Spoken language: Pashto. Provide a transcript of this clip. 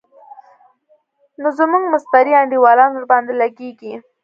نو زموږ مستري انډيوالان ورباندې لګېږي.